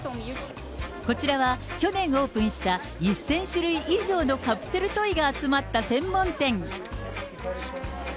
こちらは去年オープンした、１０００種類以上のカプセルトイが集まった専門店。